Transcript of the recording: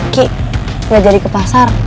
ki gak jadi ke pasar